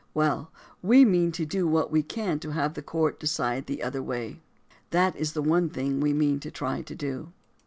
Well, we mean to do what we can to have the court decide the other way. That is one thing we mean to try to do.